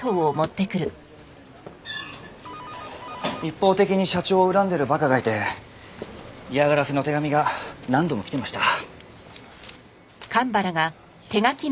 一方的に社長を恨んでる馬鹿がいて嫌がらせの手紙が何度も来ていました。